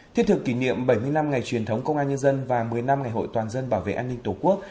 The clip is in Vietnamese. thiết thực kỷ niệm bảy mươi năm ngày truyền thống công an nhân dân và một mươi năm ngày hội toàn dân bảo vệ an ninh tổ quốc